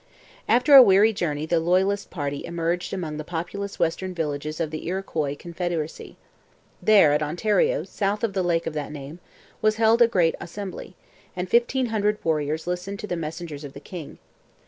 After a weary journey the loyalist party emerged among the populous western villages of the Iroquois confederacy. There, at Ontario, south of the lake of that name, was held a great assembly, and fifteen hundred warriors listened to the messengers of the king.